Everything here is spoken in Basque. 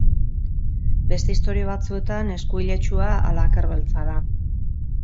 Beste istorio batzuetan esku iletsua ala aker beltza da.